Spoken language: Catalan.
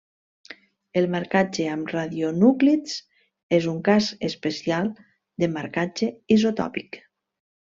El marcatge amb radionúclids és un cas especial de marcatge isotòpic.